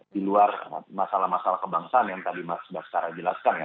di luar masalah masalah kebangsaan yang tadi mas baskara jelaskan ya